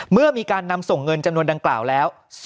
เมื่อมีการนำส่งเงินจำนวนดังกล่าวแล้ว